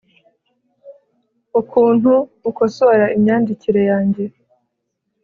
ukuntu ukosora imyandikire yanjye.